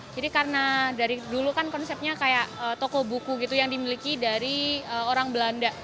jadi karena dari dulu kan konsepnya kayak toko buku gitu yang dimiliki dari orang belanda